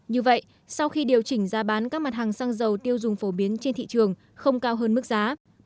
như vậy sau khi điều chỉnh giá bán các mặt hàng xăng dầu tiêu dùng phổ biến trên thị trường không cao hơn mức giá